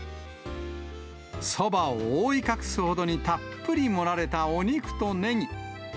そばを覆い隠すほどにたっぷり盛られたお肉とねぎ。